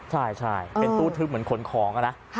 ใช่ใช่เป็นตู้ทึ้มเหมือนขนของอะนะ